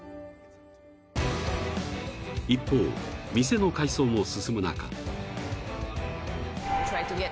［一方店の改装も進む中］